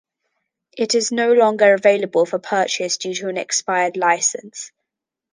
It is no longer available for purchase due to an expired license.